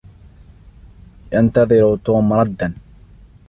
ينتظر توم ردًّا.